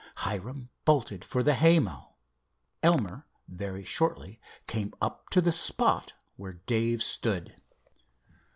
Hiram bolted for the haymow. Elmer very shortly came up to the spot where Dave stood.